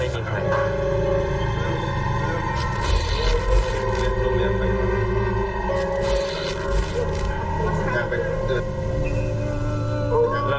ไม่มีใครนะ